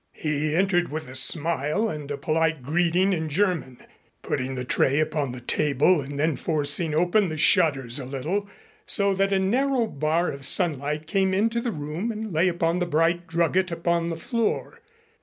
He entered with a smile and a polite greeting in German, putting the tray upon the table and then forcing open the shutters a little so that a narrow bar of sunlight came into the room and lay upon the bright drugget upon the floor.